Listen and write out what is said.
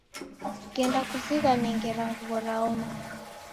Ghenda kuzighane ngera nguw'o raoma